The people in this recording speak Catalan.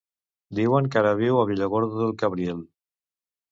Diuen que ara viu a Villargordo del Cabriel.